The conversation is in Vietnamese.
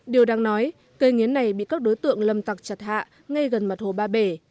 điều đáng nói cây nghiến này bị các đối tượng lâm tặc chặt hạ ngay gần mặt hồ ba bể